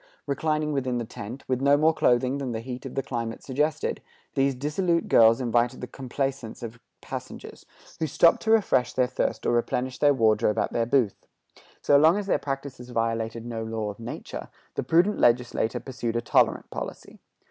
Reclining within the tent, with no more clothing than the heat of the climate suggested, these dissolute girls invited the complaisance of passengers who stopped to refresh their thirst or replenish their wardrobe at their booth. So long as their practices violated no law of nature, the prudent legislator pursued a tolerant policy.